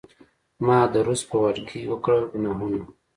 ما د روس په واډکې وکړل ګناهونه